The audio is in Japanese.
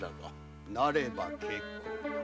ならば結構。